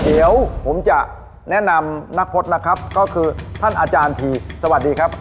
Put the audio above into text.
เดี๋ยวผมจะแนะนำนักพจน์นะครับก็คือท่านอาจารย์ทีสวัสดีครับ